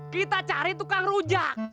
kita cari tukang rujak